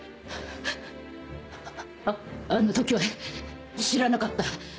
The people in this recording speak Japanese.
あの時は知らなかった。